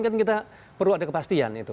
kan kita perlu ada kepastian itu